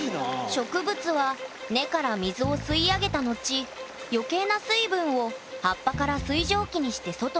植物は根から水を吸い上げた後余計な水分を葉っぱから水蒸気にして外に放出していますなるほどね。